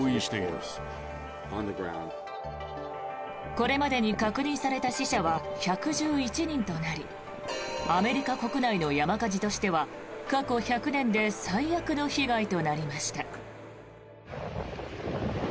これまでに確認された死者は１１１人となりアメリカ国内の山火事としては過去１００年で最悪の被害となりました。